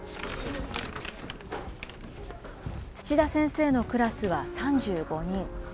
土田先生のクラスは３５人。